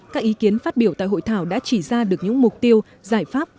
các ý kiến phát biểu tại hội thảo đã chỉ ra được những mục tiêu giải pháp